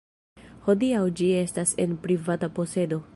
Hodiaŭ ĝi estas en privata posedo.